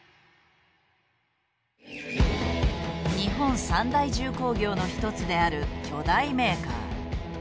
日本三大重工業の一つである巨大メーカー。